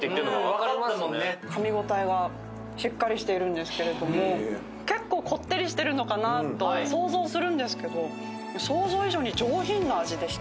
かみ応えがしっかりしてるんですけども、結構こってりしてるのかなと想像するんですけど、想像以上に上品な味でした。